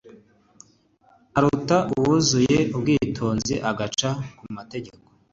aruta uwuzuye ubwitonzi agaca ku mategeko